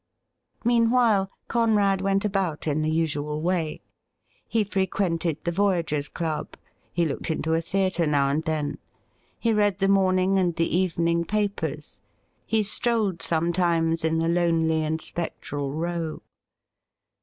Meanwhile Conrad went about in the usual way. He frequented the Voyagers' Club ; he looked into a theatre now and then ; he read the morning and the evening papers ; he strolled sometimes in the lonely and spectral Row.